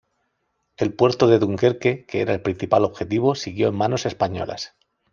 El puerto de Dunkerque, que era el principal objetivo, siguió en manos españolas.